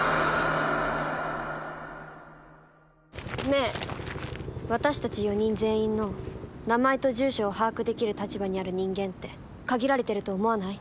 ねえ私たち４人全員の名前と住所を把握できる立場にある人間って限られてると思わない？